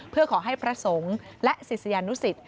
เพื่อขอให้พระสงฆ์และศิษยานุสิต